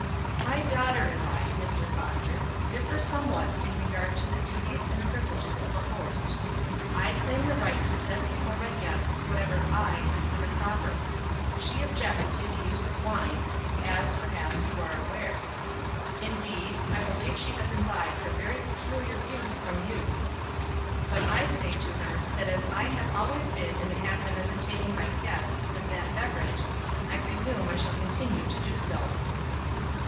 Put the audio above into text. "My daughter and I, Mr. Foster, differ somewhat in regard to the duties and privileges of a host. I claim the right to set before my guests whatever I consider proper. She objects to the use of wine, as, perhaps, you are aware. Indeed, I believe she has imbibed her very peculiar views from you; but I say to her that as I have always been in the habit of entertaining my guests with that beverage, I presume I shall continue to do so."